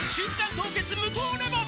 凍結無糖レモン」